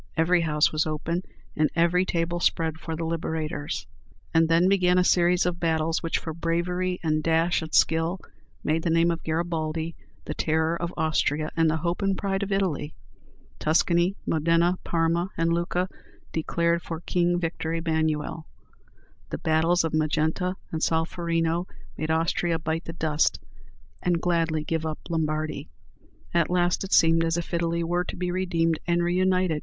Every house was open, and every table spread for the Liberators. And then began a series of battles, which, for bravery and dash and skill, made the name of Garibaldi the terror of Austria, and the hope and pride of Italy. Tuscany, Modena, Parma, and Lucca declared for King Victor Emmanuel. The battles of Magenta and Solferino made Austria bite the dust, and gladly give up Lombardy. At last it seemed as if Italy were to be redeemed and reunited.